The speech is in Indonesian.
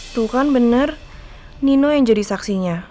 tuh kan benar nino yang jadi saksinya